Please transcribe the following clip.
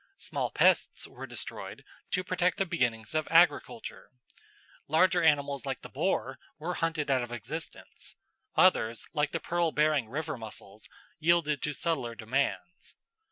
Small pests were destroyed to protect the beginnings of agriculture; larger animals like the boar were hunted out of existence; others, like the pearl bearing river mussels, yielded to subtler demands.